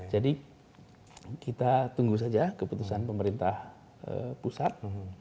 jadi kita tunggu saja keputusan pemerintah pusat